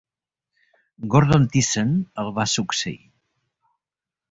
Gordon Thiessen el va succeir.